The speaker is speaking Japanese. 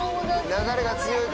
流れが速い。